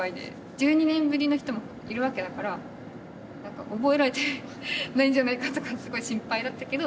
１２年ぶりの人もいるわけだから覚えられてないんじゃないかとかすごい心配だったけど。